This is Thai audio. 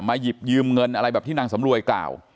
หยิบยืมเงินอะไรแบบที่นางสำรวยกล่าว